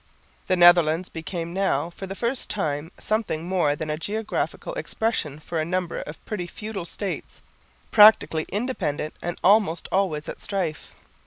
The Netherlands become now for the first time something more than a geographical expression for a number of petty feudal states, practically independent and almost always at strife.